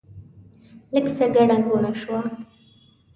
لږ څه ګڼه ګوڼه شوه.